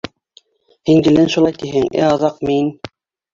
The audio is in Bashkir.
— Һин гелән шулай тиһең, ә аҙаҡ мин...